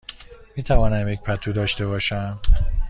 می توانم یک پتو داشته باشم؟